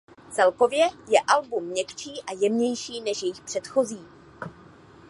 Celkově je album měkčí a jemnější než jejich předchozí.